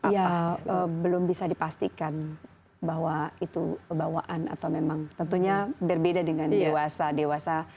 apa belum bisa dipastikan bahwa itu bawaan atau memang tentunya berbeda dengan dewasa dewasa